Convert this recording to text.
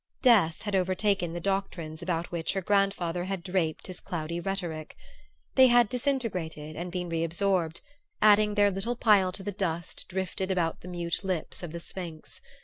Death had overtaken the doctrines about which her grandfather had draped his cloudy rhetoric. They had disintegrated and been re absorbed, adding their little pile to the dust drifted about the mute lips of the Sphinx.